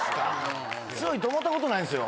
強いと思った事ないんすよ